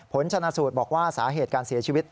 ผลชนะสูตรบอกว่าสาเหตุการเสียชีวิต